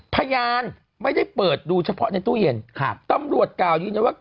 พยานไม่ได้เปิดดูเฉพาะในตู้เย็นครับตำรวจกล่าวยืนยันว่า